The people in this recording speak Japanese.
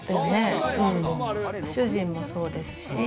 主人もそうですし。